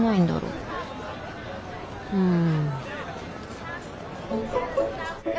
うん。